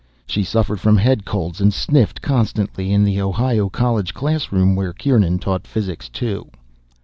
She suffered from head colds, and sniffed constantly in the Ohio college classroom where Kieran taught Physics Two.